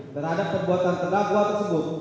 terhadap perbuatan terdakwa tersebut